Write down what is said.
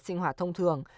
sinh hoạt thông thường